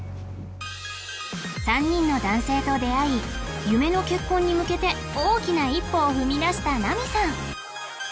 ３人の男性と出会い夢の結婚に向けて大きな一歩を踏み出したナミさん